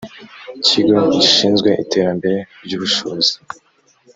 kigo gishinzwe iterambere ry ubushobozi